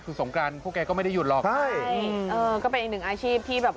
คือสงกรานพวกแกก็ไม่ได้หยุดหรอกใช่เออก็เป็นอีกหนึ่งอาชีพที่แบบ